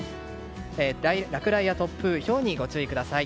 落雷や突風、ひょうにご注意ください。